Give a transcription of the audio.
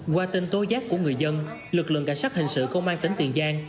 qua tin tố giác của người dân lực lượng cảnh sát hình sự công an tỉnh tiền giang